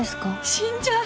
死んじゃう。